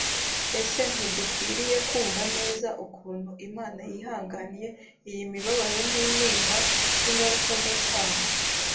Ese ntidukwiriye kumva neza ukuntu Imana yihanganiye iyi mibabaro n’intimba nk’ingaruka z’icyaha?